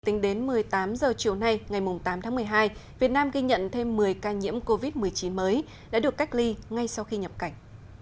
tính đến một mươi tám h chiều nay ngày tám tháng một mươi hai việt nam ghi nhận thêm một mươi ca nhiễm covid một mươi chín mới đã được cách ly ngay sau khi nhập cảnh